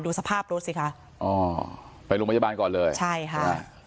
สภาพรถสิคะอ๋อไปโรงพยาบาลก่อนเลยใช่ค่ะ